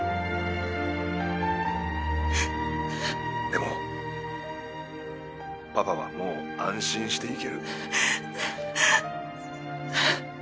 でもパパはもう安心して行ける。